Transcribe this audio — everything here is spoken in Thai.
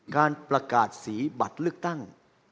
การประกาศสีบัตรเลือกตั้ง